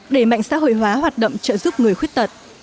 đẩy mạnh xã hội hóa hoạt động trợ giúp người khuyết tật